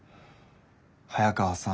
早川さん。